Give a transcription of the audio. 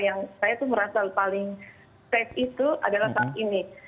yang saya merasa paling safe itu adalah saat ini